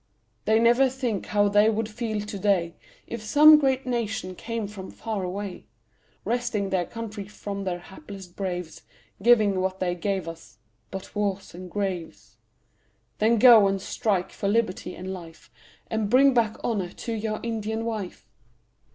They never think how they would feel to day, If some great nation came from far away, Wresting their country from their hapless braves, Giving what they gave us but wars and graves. Then go and strike for liberty and life, And bring back honour to your Indian wife.